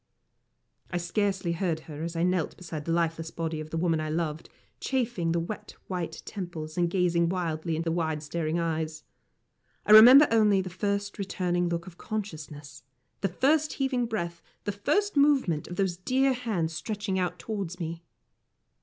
I scarcely heard her as I knelt beside the lifeless body of the woman I loved, chafing the wet white temples, and gazing wildly into the wide staring eyes. I remember only the first returning look of consciousness, the first heaving breath, the first movement of those dear hands stretching out towards me.